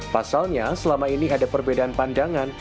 pasalnya selama ini ada perbedaan pandangan